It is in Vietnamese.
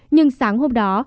nhưng sáng hôm đó